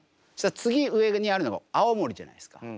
次上にあるのが青森じゃないですか。